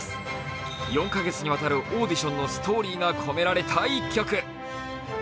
４か月にわたるオーディションのストーリーが込められた一曲。